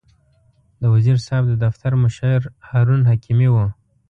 د وزیر صاحب د دفتر مشر هارون حکیمي و.